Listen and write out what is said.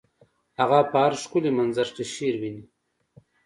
هغه په هر ښکلي منظر کې شعر ویني